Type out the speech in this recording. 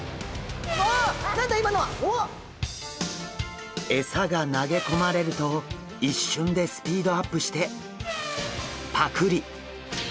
わっ何だ今のは！？餌が投げ込まれると一瞬でスピードアップしてパクリ！